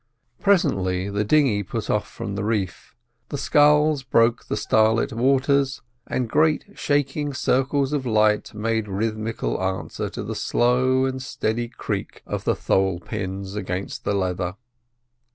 Presently the dinghy put off from the reef, the sculls broke the starlit waters and great shaking circles of light made rhythmical answer to the slow and steady creak of the thole pins against the leather.